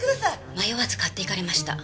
迷わず買っていかれました。